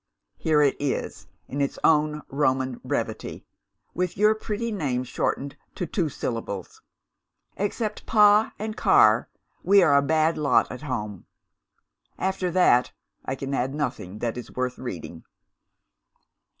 Here it is, in its own Roman brevity with your pretty name shortened to two syllables: 'Except Pa and Car, we are a bad lot at home.' After that, I can add nothing that is worth reading.